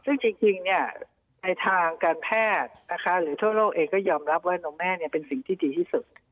ซึ่งจริงในทางการแพทย์นะคะหรือทั่วโลกเองก็ยอมรับว่านมแม่เป็นสิ่งที่ดีที่สุด